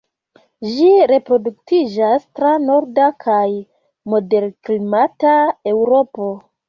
Ĝi reproduktiĝas tra norda kaj moderklimata Eŭropo.